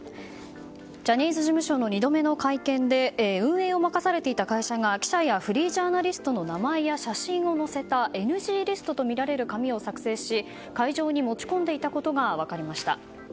ジャニーズ事務所の２度目の会見で運営を任されていた会社が記者やフリージャーナリストの名前や写真を載せたＮＧリストとみられる紙を作成し会場に持ち込んでいたことが分かりました。